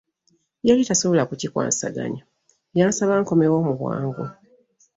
Yali takisobola kikwasaganya, y'ansaba nkomewo mu bwangu.